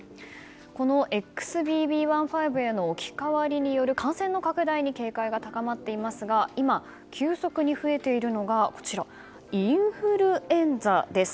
このＸＢＢ．１．５への置き換わりによる感染の拡大に警戒が高まっていますが今、急速に増えているのがインフルエンザです。